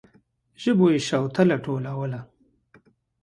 ژبو يې شوتله ټولوله.